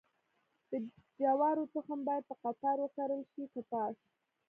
د جوارو تخم باید په قطار وکرل شي که پاش؟